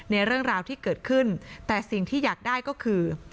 เรื่องราวที่เกิดขึ้นแต่สิ่งที่อยากได้ก็คือ